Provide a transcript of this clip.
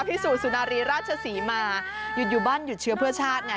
พิสูจน์สุนารีราชศรีมาหยุดอยู่บ้านหยุดเชื้อเพื่อชาติไง